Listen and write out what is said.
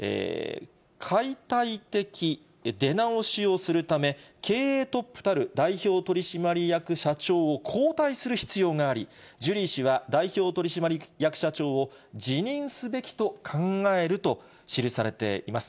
解体的出直しをするため、経営トップたる代表取締役社長を交代する必要があり、ジュリー氏は代表取締役社長を辞任すべきと考えると記されています。